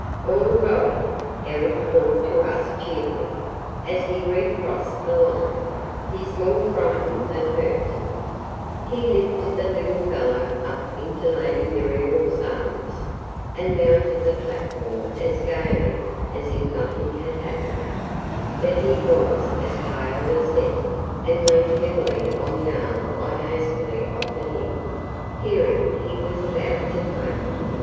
"All right!" Eric called to us cheerfully, as he recrossed the line. "He's more frightened than hurt!" {Image...Crossing the line} He lifted the little fellow up into Lady Muriel's arms, and mounted the platform as gaily as if nothing had happened: but he was as pale as death, and leaned heavily on the arm I hastily offered him, fearing he was about to faint.